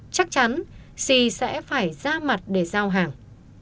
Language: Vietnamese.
chắc chắn c sẽ phải ra mặt để giao hàng